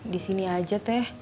di sini aja teh